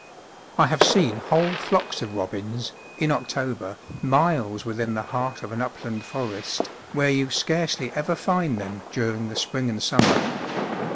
I have seen whole flocks of robins, in October, miles within the heart of an up land forest, where you scarcely ever find them during the spring and summer.